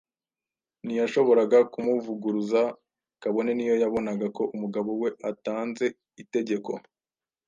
Ntiyashoboraga kumuvuguruza, kabone n’iyo yabonaga ko umugabo we atanze itegeko